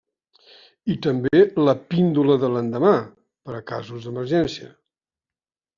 I també la píndola de l'endemà, per a casos d'emergència.